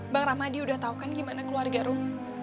bang ramadi udah tau kan gimana keluarga rum